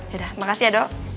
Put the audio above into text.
yaudah makasih ya dok